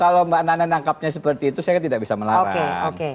kalau mbak nana menangkapnya seperti itu saya tidak bisa melarang